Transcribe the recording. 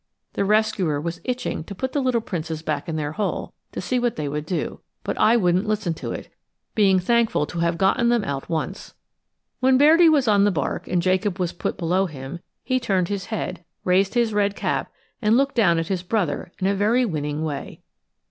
The rescuer was itching to put the little princes back in their hole, to see what they would do, but I wouldn't listen to it, being thankful to have gotten them out once. When Bairdi was on the bark and Jacob was put below him, he turned his head, raised his red cap, and looked down at his brother in a very winning way.